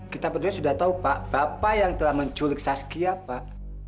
kita berdua sudah tahu pak bapak yang telah menculik saskia pak